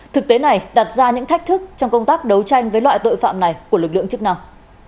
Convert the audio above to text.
thực tế này đặt ra những thách thức trong công tác đấu tranh với loại tội phạm này của lực lượng chức năng